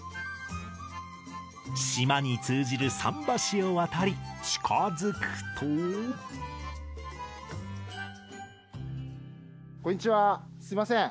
島に通じる桟橋を渡り近づくとすいません。